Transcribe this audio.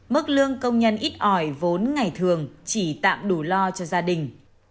mức lương công nhân ít ỏi vốn ngày thường chỉ tạm đủ lo cho gia đình